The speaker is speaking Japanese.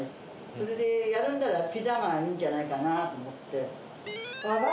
それでやるんなら、ピザがいいんじゃないかなと思って。